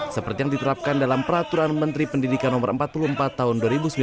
seperti yang diterapkan dalam peraturan menteri pendidikan no empat puluh empat tahun dua ribu sembilan belas